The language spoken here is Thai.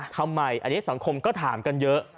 ทำไมสังคมก็ถามกันเยอะ